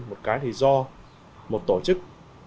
một cái thì do một tổ chức